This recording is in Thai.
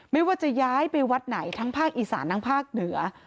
ไม่ว่าจะย้ายไปวัดไหนทั้งภาคอีสานทั้งภาคเหนือ